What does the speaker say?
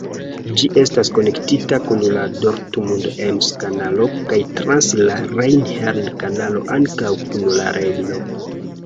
Ĝi estas konektita kun la Dortmund-Ems-Kanalo kaj trans la Rejn-Herne-Kanalo ankaŭ kun la Rejno.